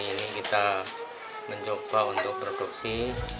ini kita mencoba untuk produksi